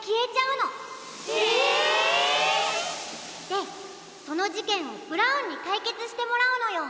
でそのじけんをブラウンにかいけつしてもらうのよ！